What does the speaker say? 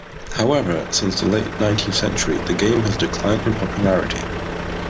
However, since the late nineteenth century the game has declined in popularity.